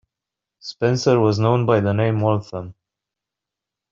Spencer was known by the name Waltham.